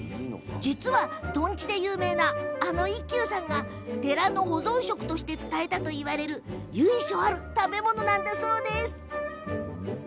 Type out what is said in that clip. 実は、とんちで有名なあの一休さんが寺の保存食として伝えたといわれる由緒ある食べ物というわけです。